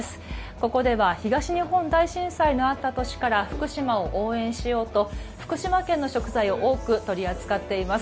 ここでは東日本大震災のあった年から福島を応援しようと福島県の食材を多く取り扱っています。